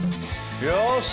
よし！